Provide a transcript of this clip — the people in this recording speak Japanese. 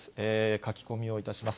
書き込みをいたします。